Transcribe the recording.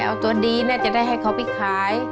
เอาตัวดีน่าจะได้ให้เขาไปขาย